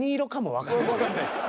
わかんないです。